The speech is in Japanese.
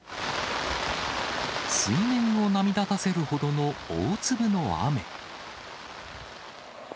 水面を波立たせるほどの大粒